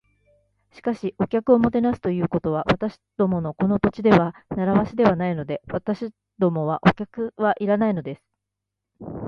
「しかし、お客をもてなすということは、私どものこの土地では慣わしではないので。私どもはお客はいらないのです」